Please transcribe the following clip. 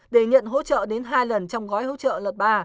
để nhận hỗ trợ đến hai lần trong gói hỗ trợ đợt ba